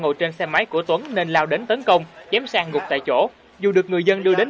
ngồi trên xe máy của tuấn nên lao đến tấn công chém sang gục tại chỗ dù được người dân đưa đến